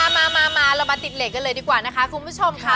มาเรามาติดเหล็กกันเลยดีกว่านะคะคุณผู้ชมค่ะ